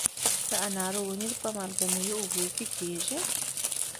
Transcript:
د انارو ونې په مالګینو اوبو کیږي؟